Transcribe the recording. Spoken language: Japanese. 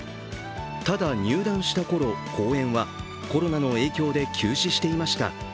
ただ、入団したころ公演はコロナの影響で休止していました。